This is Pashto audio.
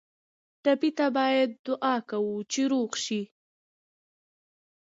ټپي ته باید دعا کوو چې روغ شي.